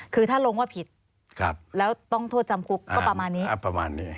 คือถ้าลงว่าผิดแล้วต้องโทษจำคุกก็ประมาณนี้